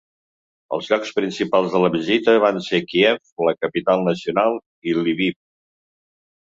Els llocs principals de la visita van ser Kíev, la capital nacional, i Lviv.